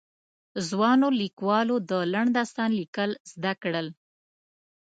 ځوانو ليکوالو د لنډ داستان ليکل زده کړل.